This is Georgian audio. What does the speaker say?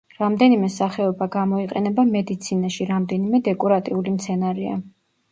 რამდენიმე სახეობა გამოიყენება მედიცინაში, რამდენიმე დეკორატიული მცენარეა.